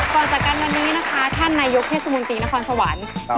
ก่อนจากกันวันนี้นะคะท่านนายกเทศมนตรีนครสวรรค์